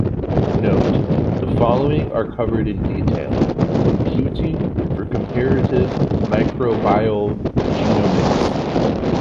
"Note: The following are covered in detail in "Computing for Comparative Microbial Genomics".